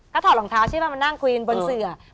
ก็ถอดรองเท้าใช่ป่ะมานั่งควีนบนเสือ